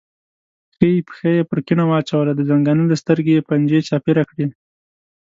ښي پښه یې پر کیڼه واچوله، د زنګانه له سترګې یې پنجې چاپېره کړې.